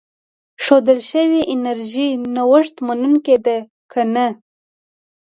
ښودل شوې انرژي نوښت منونکې ده که نه.